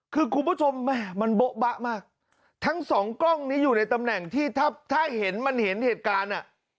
คือคุณผู้ชมแม่มันโบ๊ะบะมากทั้งสองกล้องนี้อยู่ในตำแหน่งที่ถ้าถ้าเห็นมันเห็นเหตุการณ์อ่ะ